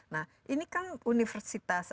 nah ini kan universitas